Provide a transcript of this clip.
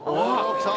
きた！